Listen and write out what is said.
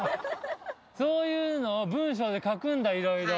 そういうのを文章で書くんだ、いろいろ。